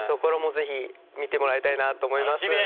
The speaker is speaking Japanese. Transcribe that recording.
是非見てもらいたいなと思います。